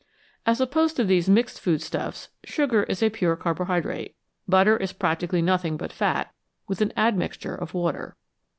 As opposed to these mixed food stuffs, sugar is a pure carbohydrate, and butter is practically nothing but fat with an admixture of water.